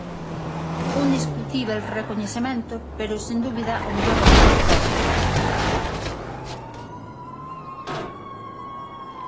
Un discutíbel recoñecemento pero sen dúbida o mellor reclamo para o filme.